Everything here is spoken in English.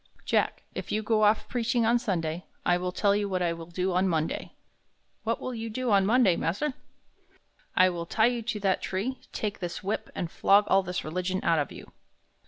"Jack, if you go off preaching on Sunday, I will tell you what I will do on Monday." "What will do you on Monday, mas'r?" "I will tie you to that tree, take this whip, and flog all this religion out of you."